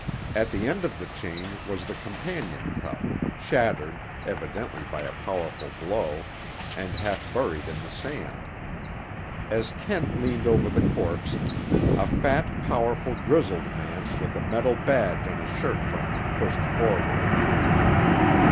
At the end of the chain was the companion cuff, shattered, evidently by a powerful blow, and half buried in the sand. As Kent leaned over the corpse, a fat, powerful, grizzled man with a metal badge on his shirt front pushed forward.